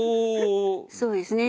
そうですね